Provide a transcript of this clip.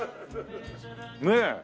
ねえ。